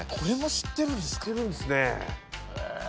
・知ってるんですね。